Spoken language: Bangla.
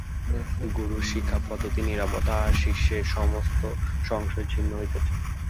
গুরুর শিক্ষাপদ্ধতি নীরবতা আর শিষ্যের সমস্ত সংশয় ছিন্ন হইতেছে।